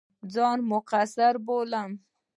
ځان مقصِر بولم.